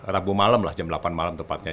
rabu malam lah jam delapan malam tepatnya